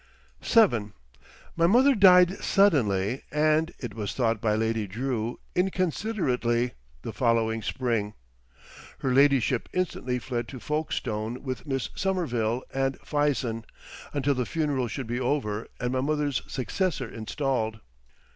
VII My mother died suddenly and, it was thought by Lady Drew, inconsiderately, the following spring. Her ladyship instantly fled to Folkestone with Miss Somerville and Fison, until the funeral should be over and my mother's successor installed.